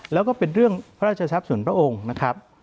แล้วก็เป็นเรื่องพระราชทรัพย์ส่วนพระองค์นะครับ